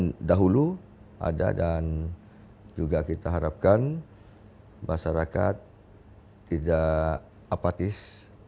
yang dahulu ada dan juga kita harapkan masyarakat tidak apatis